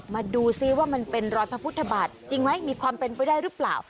มาดูซิว่ามันเป็นรอยพระพุทธบาทจริงไหมมีความเป็นไปได้หรือเปล่า